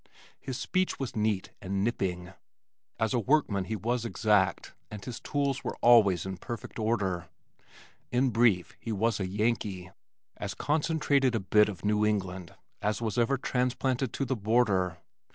His speech was neat and nipping. As a workman he was exact and his tools were always in perfect order. In brief he was a Yankee, as concentrated a bit of New England as was ever transplanted to the border.